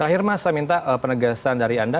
terakhir mas saya minta penegasan dari anda